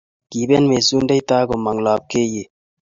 kibet mesundeito ak komong lopkeyet